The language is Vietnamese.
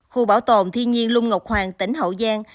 khu bảo tồn thiên nhiên lung ngọc hoàng tỉnh hậu giang